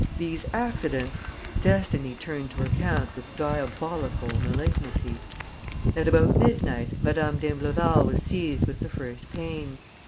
These accidents destiny turned to account with diabolical malignity. At about midnight, Madame d'Imbleval was seized with the first pains.